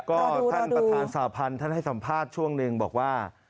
ก็ท่านประธานสาพันธ์ท่านให้สัมภาษณ์ช่วงหนึ่งบอกว่า